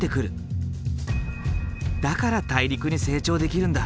だから大陸に成長できるんだ。